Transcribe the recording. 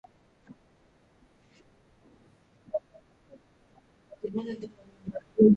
There is a competition to not be the last to finish.